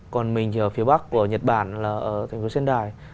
còn mình thì ở phía bắc của nhật bản là ở thành phố sendai